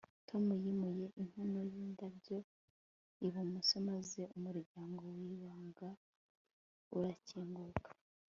tom yimuye inkono yindabyo ibumoso maze umuryango wibanga urakinguka